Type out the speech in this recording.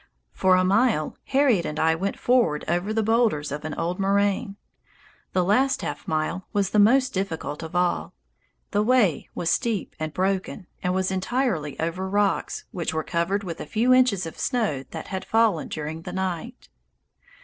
For a mile Harriet and I went forward over the boulders of an old moraine. The last half mile was the most difficult of all; the way was steep and broken, and was entirely over rocks, which were covered with a few inches of snow that had fallen during the night.